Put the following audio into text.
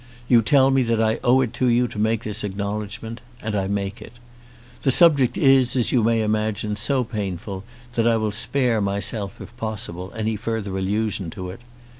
You tell me that I owe it to you to make this acknowledgment, and I make it. The subject is, as you may imagine, so painful that I will spare myself, if possible, any further allusion to it.